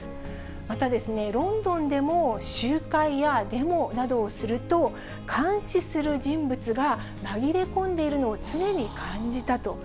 またですね、ロンドンでも集会やデモなどをすると、監視する人物が紛れ込んでいるのを常に感じたと。